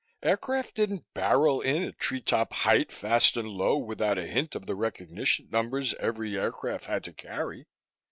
Aircraft didn't barrel in at treetop height, fast and low, without a hint of the recognition numbers every aircraft had to carry.